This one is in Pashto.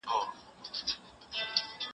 زه پرون پلان جوړ کړ.